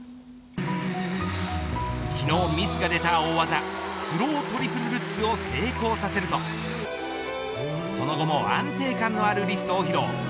昨日ミスが出た大技スロートリプルルッツを成功させるとその後も安定感のあるリフトを披露。